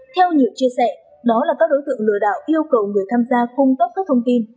theo nhiều chia sẻ đó là các đối tượng lừa đảo yêu cầu người tham gia cung cấp các thông tin